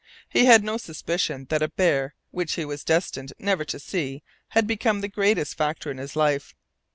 He had no suspicion that a bear which he was destined never to see had become the greatest factor in his life.